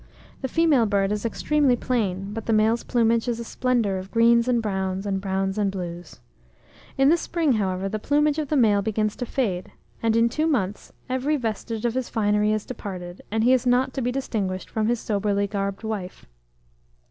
The female bird is extremely plain, but the male's plumage is a splendour of greens and browns, and browns and blues. In the spring, however, the plumage of the male begins to fade, and in two months, every vestige of his finery has departed, and he is not to be distinguished from his soberly garbed wife.